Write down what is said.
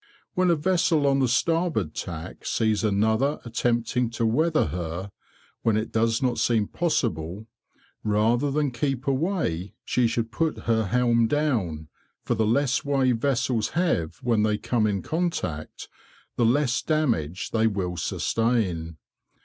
When a vessel on the starboard tack sees another attempting to weather her, when it does not seem possible, rather than keep away, she should put her helm down, for the less way vessels have when they come in contact, the less damage they will sustain.